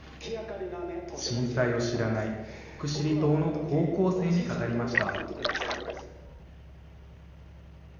震災を知らない奥尻島の高校生に語りました。